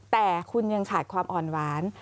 แต่คุณยังขาดความอ่อนหวาน